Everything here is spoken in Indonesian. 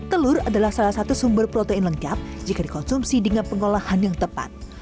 telur adalah salah satu sumber protein lengkap jika dikonsumsi dengan pengolahan yang tepat